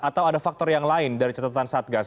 atau ada faktor yang lain dari catatan satgas